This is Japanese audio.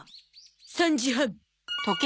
３時半。